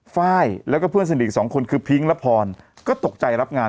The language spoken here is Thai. ไฟล์แล้วก็เพื่อนสนิทอีกสองคนคือพิ้งและพรก็ตกใจรับงาน